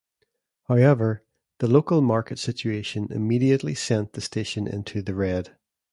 However, the local market situation immediately sent the station into the red.